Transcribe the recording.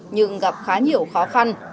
nhưng gặp khá nhiều khó khăn